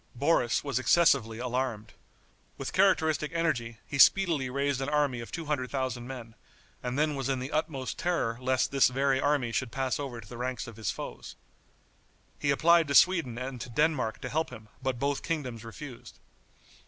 Boris was excessively alarmed. With characteristic energy he speedily raised an army of two hundred thousand men, and then was in the utmost terror lest this very army should pass over to the ranks of his foes. He applied to Sweden and to Denmark to help him, but both kingdoms refused.